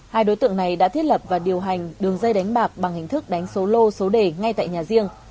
hai đối tượng này đã thiết lập và điều hành đường dây đánh bạc bằng hình thức đánh số lô số đề ngay tại nhà riêng